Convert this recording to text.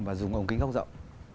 và dùng ống kính góc rộng